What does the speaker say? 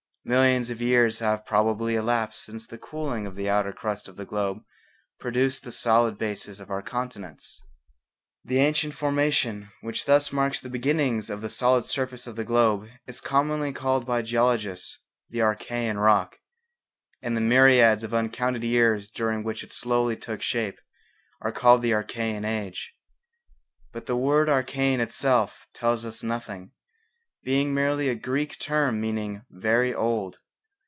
Millions of years have probably elapsed since the cooling of the outer crust of the globe produced the solid basis of our continents. The ancient formation which thus marks the beginnings of the solid surface of the globe is commonly called by geologists the Archaean rock, and the myriads of uncounted years during which it slowly took shape are called the Archaean age. But the word 'Archaean' itself tells us nothing, being merely a Greek term meaning 'very old.'